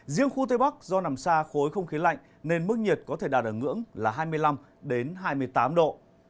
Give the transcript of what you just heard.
riêng khu tây bắc do nằm xa khối không khí lạnh nên mức nhiệt có thể đạt ở ngưỡng là hai mươi năm hai mươi tám độ